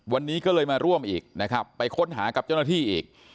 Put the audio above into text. วันนี้ก็เลยมาร่วมอีกนะครับไปค้นหากับเจ้าหน้าที่อีก